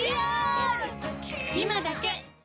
今だけ！